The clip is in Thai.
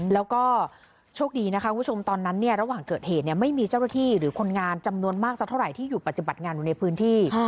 แล้วก็โชคดีนะคะคุณผู้ชมตอนนั้นเนี่ยระหว่างเกิดเหตุไม่มีเจ้าหน้าที่หรือคนงานจำนวนมากสักเท่าไหร่ที่อยู่ปฏิบัติงานอยู่ในพื้นที่